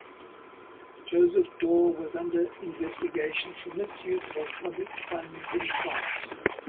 Joseph Daul was under investigation for misuse of public funds in France.